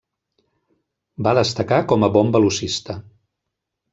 Va destacar com a bon velocista.